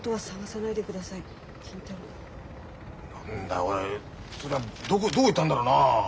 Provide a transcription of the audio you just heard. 何だよおい父ちゃんどこ行ったんだろうなあ。